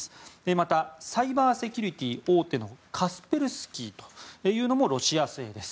またサイバーセキュリティー大手のカスペルスキーというのもロシア製です。